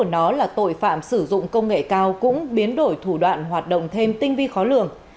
nó là tội phạm sử dụng công nghệ cao cũng biến đổi thủ đoạn hoạt động thêm tinh vi khó lường